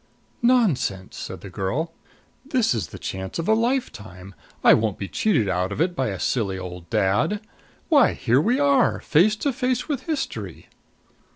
"Nonsense!" said the girl. "This is the chance of a lifetime. I won't be cheated out of it by a silly old dad. Why, here we are, face to face with history!"